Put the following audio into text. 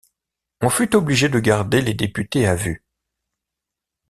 On fut obligé de garder les députés à vue.